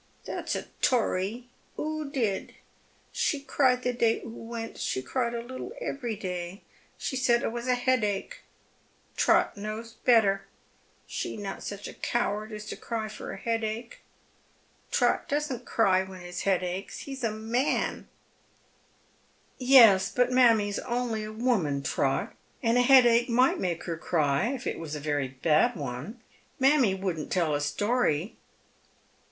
" That's a tory. Oo did. She cried the deny oo went, — she cried a little every day, she said it was a headache, — Trot knows better, she not such a coward as to cry for a headache. Trot doesn't cry when his head aches, he's a man 1 " y On the Thresliold of a Discovery. fifS "Yes, hut mammie's only a woman, Trot, and a headache mii^ht make her cry if it was a rery bad one. Mammie wouldn't tell a story."